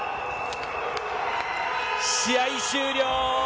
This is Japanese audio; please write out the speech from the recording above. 試合終了。